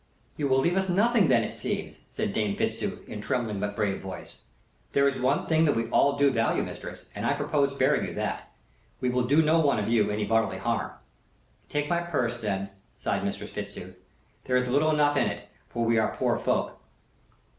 "You will leave us nothing then, it seems," said Dame Fitzooth, in trembling but brave voice. "There is one thing that we all do value, mistress, and I purpose sparing you that. We will do no one of you any bodily harm." "Take my purse, then," sighed Mistress Fitzooth. "There is little enough in it, for we are poor folk."